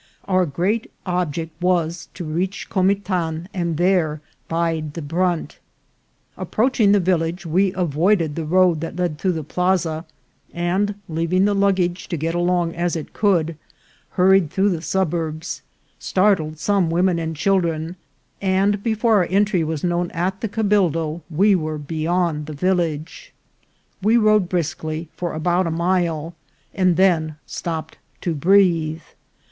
Our great object was to reach Comitan, and there bide the brunt. Ap proaching the village, we avoided the road that led through the plaza, and leaving the luggage to get along as it could, hurried through the suburbs, startled some women and children, and before our entry was known at the cabildo we were beyond the village. We rode briskly for about a mile, and then stopped to breathe.